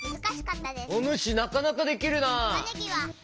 おぬしなかなかできるな。